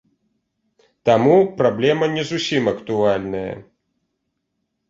Таму праблема не зусім актуальная.